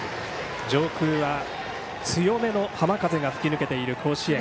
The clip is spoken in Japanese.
上空は強めの浜風が吹き抜けている甲子園。